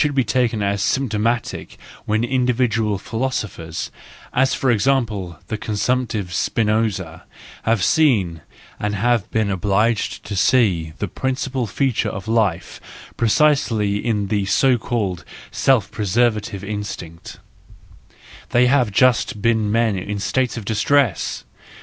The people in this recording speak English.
19 290 THE JOYFUL WISDOM, V taken as symptomatic when individual philosophers, as for example, the consumptive Spinoza, have seen and have been obliged to see the principal feature of life precisely in the so called self¬ preservative instinct:—they have just been men in states of distress.